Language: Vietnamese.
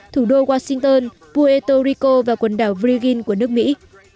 thủ đô washington puerto rico và quần đảo virginia của nước mỹ